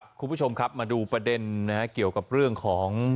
คุณผู้ชมครับมาดูประเด็นเกี่ยวกับเรื่องของ